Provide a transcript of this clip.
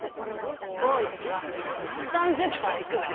多い時は３０杯いくわ。